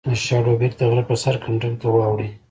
د شاړوبېک د غره په سر کنډو ته واوړې